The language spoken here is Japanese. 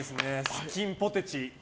スキンポテチ。